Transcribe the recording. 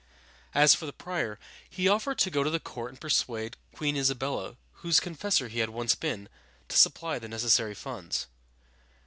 As for the prior, he offered to go to court and persuade Queen Is a bel´la whose confessor he had once been to supply the necessary funds.